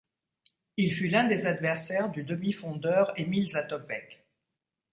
Il fut l'un des adversaire du demi-fondeur Emil Zátopek.